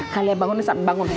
kalian bangun nih saat ini bangun